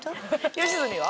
吉住は？